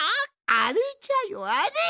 あれじゃよあれ！